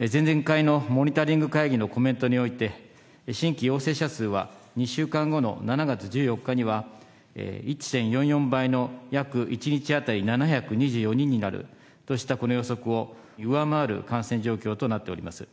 前々回のモニタリング会議のコメントにおいて、新規陽性者数は２週間後の７月１４日には、１．４４倍の約１日当たり７２４人になるとしたこの予測を上回る感染状況となっております。